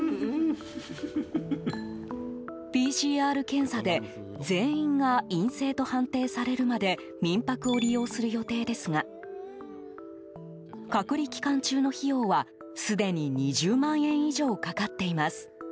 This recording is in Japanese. ＰＣＲ検査で全員が陰性と判定されるまで民泊を利用する予定ですが隔離期間中の費用はすでに２０万円以上かかっています。